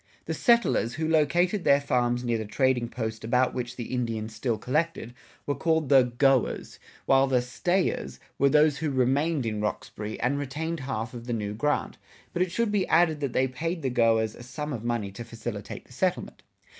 The settlers, who located their farms near the trading post about which the Indians still collected, were called the "go ers," while the "stayers" were those who remained in Roxbury, and retained half of the new grant; but it should be added that they paid the go ers a sum of money to facilitate the settlement.